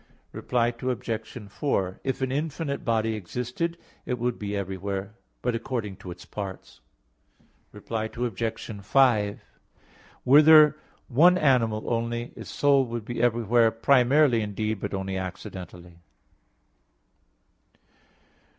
Reply Obj. 4: If an infinite body existed, it would be everywhere; but according to its parts. Reply Obj. 5: Were there one animal only, its soul would be everywhere primarily indeed, but only accidentally.